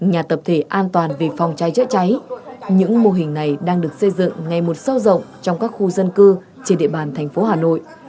hà nội được xây dựng ngay một sao rộng trong các khu dân cư trên địa bàn thành phố hà nội